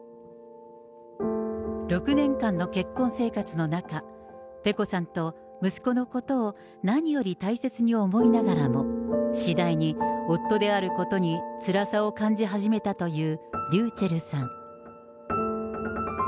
６年間の結婚生活の中、ペコさんと息子のことを何より大切に思いながらも、次第に夫であることにつらさを感じ始めたというｒｙｕｃｈｅｌｌさん。